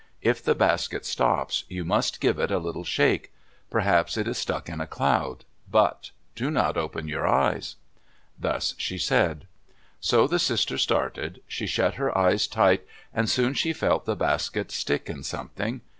If the basket stops, you must give it a little shake. Perhaps it is stuck in a cloud. But do not open your eyes." Thus she said. So the sister started. She shut her eyes tight, and soon she felt the basket stick in something.